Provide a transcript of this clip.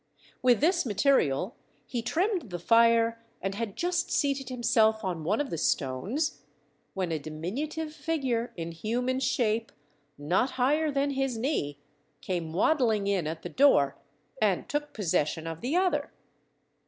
With this material he trimmed the fire, and had just seated himself on one of the stones, when a diminutive figure in human shape, not higher than his knee, came waddling in at the door, and took possession of the other.